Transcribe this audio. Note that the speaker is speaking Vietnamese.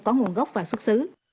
có nguồn gốc và xuất xứ